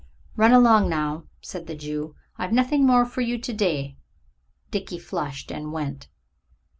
"Run along, now," said the Jew, "I've nothing more for you to day." Dickie flushed and went.